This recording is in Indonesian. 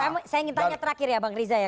saya ingin tanya terakhir ya bang riza ya